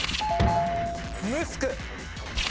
ムスク。